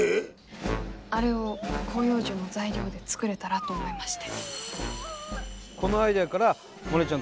あれを広葉樹の材料で作れたらと思いまして。